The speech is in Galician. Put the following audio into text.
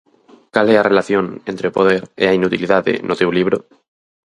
Cal e a relación entre o poder e a inutilidade no teu libro?